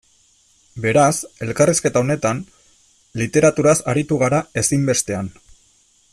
Beraz, elkarrizketa honetan, literaturaz aritu gara ezinbestean.